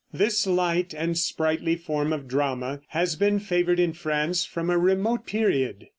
This light and sprightly form of drama has been favored in France from a remote period.